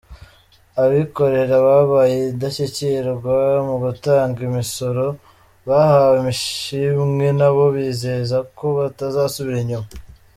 Abikorera babaye indashyikirwa mu gutanga imisoro bahawe ishimwe, nabo bizeza ko batazasubira inyuma.